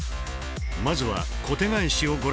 まずは小手返しをご覧頂こう